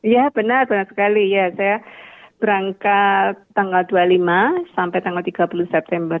ya benar benar sekali ya saya berangkat tanggal dua puluh lima sampai tanggal tiga puluh september